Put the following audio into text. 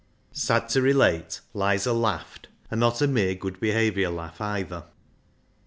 Sad to relate, Lizer laughed, and not a mere good behaviour laugh either.